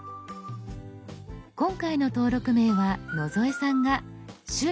今回の登録名は野添さんが「趣味野添」。